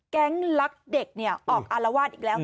แก๊งลักเด็กออกอารวาสอีกแล้ว